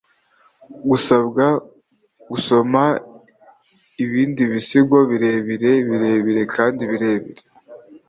gusabwa gusoma: ibindi bisigo birebire, birebire kandi birebire